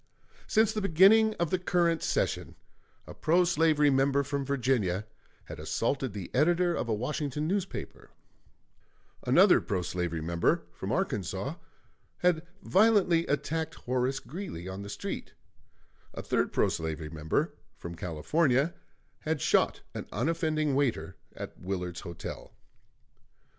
Since the beginning of the current session, a pro slavery member from Virginia had assaulted the editor of a Washington newspaper; another pro slavery member, from Arkansas, had violently attacked Horace Greeley on the street; a third pro slavery member, from California, had shot an unoffending waiter at Willard's Hotel.